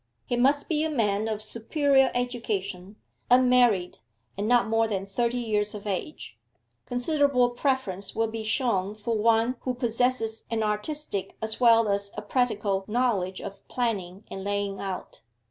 He must be a man of superior education, unmarried, and not more than thirty years of age. Considerable preference will be shown for one who possesses an artistic as well as a practical knowledge of planning and laying out.